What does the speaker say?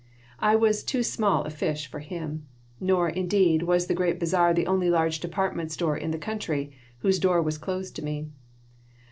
I was too small a fish for him. Nor, indeed, was the Great Bazar the only large department store in the country whose door was closed to me.